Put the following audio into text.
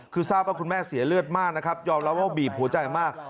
คือทราบว่าคุณแม่เสียเลือดมากนะครับยอมรับว่าบีบหัวใจมาก